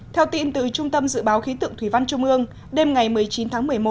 theo tin từ trung tâm dự báo khí tượng thủy văn trung ương đêm ngày một mươi chín tháng một mươi một